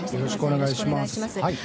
よろしくお願いします。